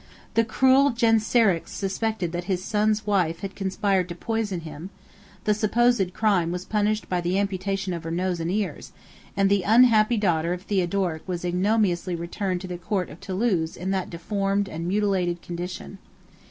The cruel Genseric suspected that his son's wife had conspired to poison him; the supposed crime was punished by the amputation of her nose and ears; and the unhappy daughter of Theodoric was ignominiously returned to the court of Thoulouse in that deformed and mutilated condition.